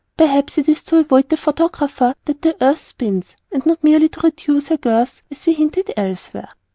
Perhaps it is to avoid the photographer that the Earth spins, and not merely to reduce her girth as we hinted elsewhere.